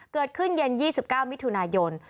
เกิดขึ้นเย็น๒๙มิถุนายน